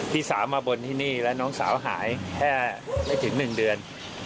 พี่สาวมาบนที่นี่แล้วน้องสาวหายแค่ไม่ถึง๑เดือน